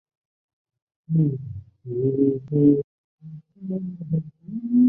此举被视为斯普鲁恩斯的第二个个重要决策。